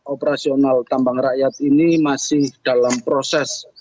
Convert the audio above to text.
operasional tambang rakyat ini masih dalam proses